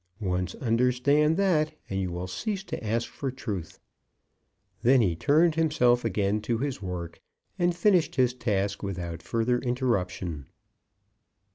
Once understand that, and you will cease to ask for truth." Then he turned himself again to his work and finished his task without further interruption.